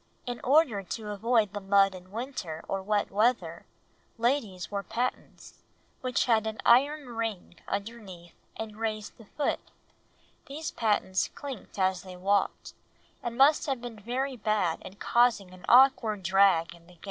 In order to avoid the mud in winter or wet weather, ladies wore pattens, which had an iron ring underneath and raised the foot, these pattens clinked as they walked, and must have been very bad in causing an awkward drag in the gait.